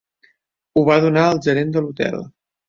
Ho va donar al gerent de l'hotel.